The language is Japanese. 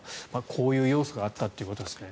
こういう要素があったということですね。